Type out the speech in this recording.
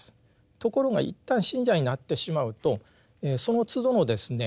ところが一旦信者になってしまうとそのつどのですね